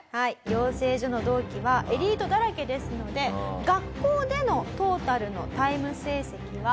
養成所の同期はエリートだらけですので学校でのトータルのタイム成績は。